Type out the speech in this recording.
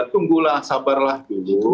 tunggulah sabarlah dulu